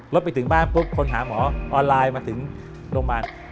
ไปถึงบ้านปุ๊บคนหาหมอออนไลน์มาถึงโรงพยาบาล